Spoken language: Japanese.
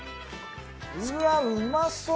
うわうまそう。